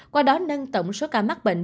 qua đó nâng tổng số ca mắc bệnh